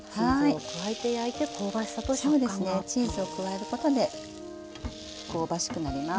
チーズを加えることで香ばしくなります。